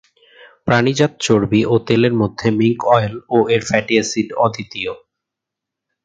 প্রাণীজাত চর্বি ও তেলের মধ্যে মিঙ্ক অয়েল ও এর ফ্যাটি এসিড অদ্বিতীয়।